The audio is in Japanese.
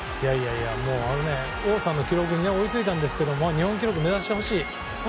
王さんの記録に追いついたんですけども日本記録を目指してほしい。